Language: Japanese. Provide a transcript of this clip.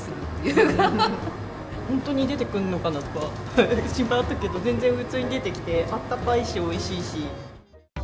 本当に出てくるのかなとか、心配だったけど、全然普通に出てきて、あったかいしおいしいし。